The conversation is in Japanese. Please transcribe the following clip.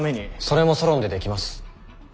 それもソロンでできます。